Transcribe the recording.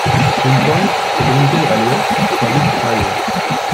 Greenpoint est délimité à l'ouest par l'East River.